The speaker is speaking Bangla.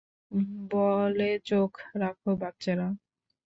বলে চোখ রাখো, বাচ্চারা!